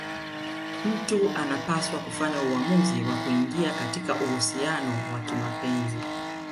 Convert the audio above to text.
Mtu anapaswa kufanya uamuzi wa kuingia katika uhusiano wa kimapenzi